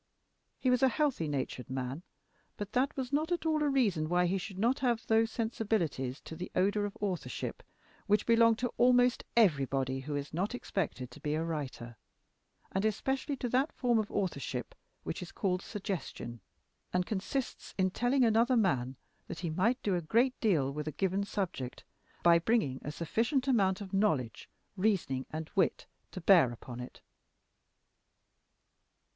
He was a healthy natured man, but that was not at all a reason why he should not have those sensibilities to the odor of authorship which belong to almost everybody who is not expected to be a writer and especially to that form of authorship which is called suggestion, and consists in telling another man that he might do a great deal with a given subject, by bringing a sufficient amount of knowledge, reasoning, and wit to bear upon it.